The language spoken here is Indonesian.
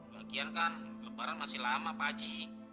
bagian kan lebaran masih lama pak haji